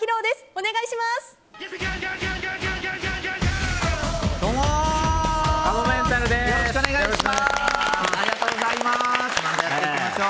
お願いします。